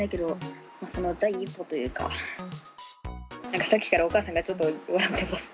なんかさっきからお母さんがちょっと笑ってます。